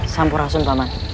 sampur asun pak man